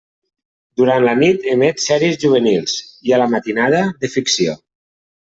Durant la nit emet sèries juvenils i a la matinada de ficció.